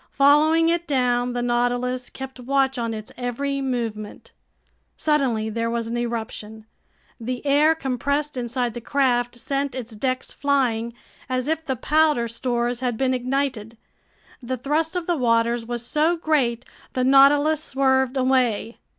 Following it down, the Nautilus kept watch on its every movement. Suddenly there was an eruption. The air compressed inside the craft sent its decks flying, as if the powder stores had been ignited. The thrust of the waters was so great, the Nautilus swerved away.